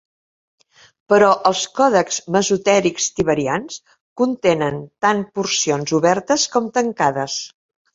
Però els còdexs masorètics tiberians contenen tant porcions obertes com tancades.